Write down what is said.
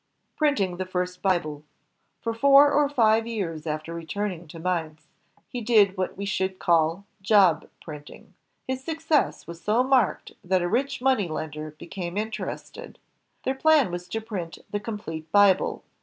Printing the First Bible For four or five years after returning to Mainz, he did what we should call job printing. His success was so marked that a rich money lender became interested. Their plan was to print the complete Bible.